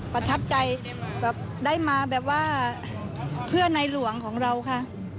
ประทับใจแบบได้มาแบบว่าเพื่อในหลวงของเราค่ะ